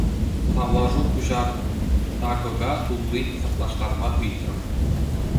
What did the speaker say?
Тавлашу пуҫартӑм, тӑкака туллин саплаштарма ыйтрӑм.